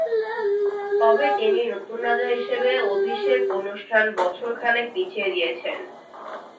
তবে তিনি নতুন রাজা হিসেবে অভিষেক অনুষ্ঠান বছর খানেক পিছিয়ে দিয়েছেন।